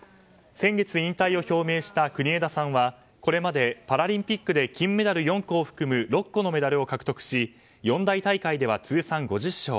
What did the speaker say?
先月引退を表明した国枝さんはこれまでパラリンピックで金メダル４個を含む６個のメダルを獲得し四大大会では通算５０勝。